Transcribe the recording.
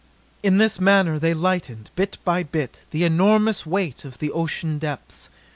In this manner they lightened, bit by bit, the enormous weight of the ocean depths.